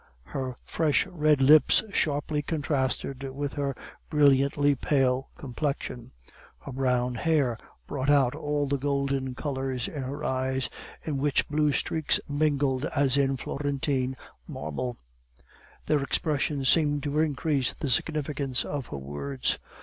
Her fresh red lips sharply contrasted with her brilliantly pale complexion. Her brown hair brought out all the golden color in her eyes, in which blue streaks mingled as in Florentine marble; their expression seemed to increase the significance of her words.